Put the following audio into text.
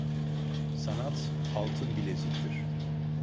Sanat altın bileziktir.